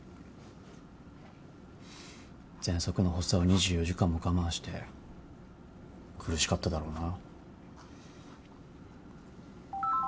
ぜんそくの発作を２４時間も我慢して苦しかっただろうな。